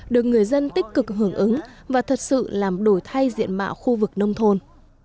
được người dân tích cực hưởng ứng và thật sự làm đổi thay diện mạo khu vực nông thôn